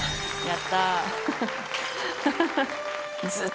やったー。